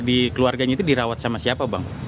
di keluarganya itu dirawat sama siapa bang